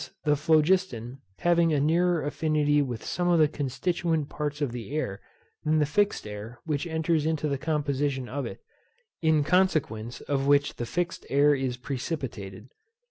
the phlogiston having a nearer affinity with some of the constituent parts of the air than the fixed air which enters into the composition of it, in consequence of which the fixed air is precipitated.